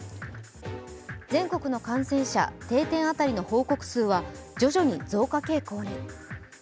全国の感染者定点当たりの報告数は徐々に増加傾向に。